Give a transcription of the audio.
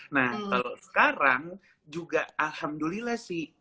nah kalau sekarang juga alhamdulillah sih